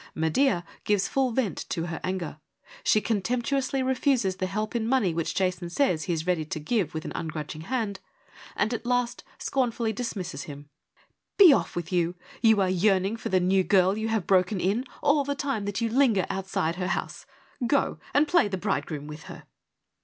Medea gives full vent to her anger : she contemptuously refuses the help in money which Jason says he is ' ready to give with an ungrudging hand,' and at last scornfully dismisses him —' Be off with you. You are yearning for the new girl you have broken in, all the time that you linger outside her house. Go and play the bride groom with her.'